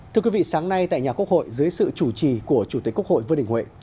thưa quý vị sáng nay tại nhà quốc hội dưới sự chủ trì của chủ tịch quốc hội vương đình huệ